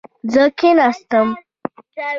زه کښېناستم